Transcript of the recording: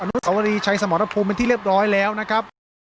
นุสวรีชัยสมรภูมิเป็นที่เรียบร้อยแล้วนะครับ